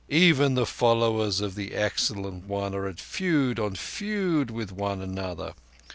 Even the followers of the Excellent One are at feud on feud with one another.